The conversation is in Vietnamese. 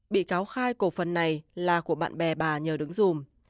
bị cáo khai cổ phần này là của bạn bè bà nhờ đứng dùm